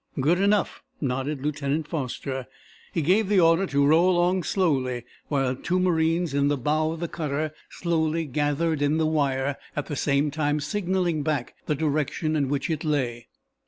"Good enough," nodded Lieutenant Foster, he gave the order to row along slowly, while two marines in the bow of the cutter slowly gathered in the wire, at the same time signaling back the direction in which it lay.